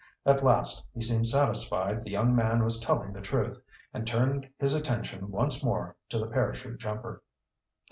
At last, he seemed satisfied the young man was telling the truth, and turned his attention once more to the parachute jumper.